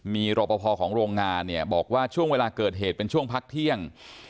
มีรอปภของโรงงานเนี่ยบอกว่าช่วงเวลาเกิดเหตุเป็นช่วงพักเที่ยง